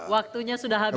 waktunya sudah habis